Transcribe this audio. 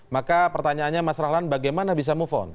maka pertanyaannya mas rahlan bagaimana bisa move on